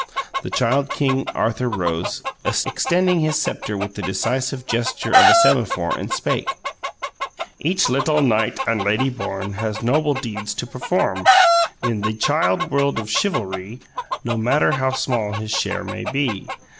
The Child King Arthur rose, extended his sceptre with the decisive gesture of a semaphore, and spake: "Each littul knight and lady born Has noble deeds TO perform In THEE child world of shivullree, No matter how small his share may be.